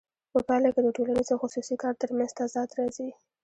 په پایله کې د ټولنیز او خصوصي کار ترمنځ تضاد راځي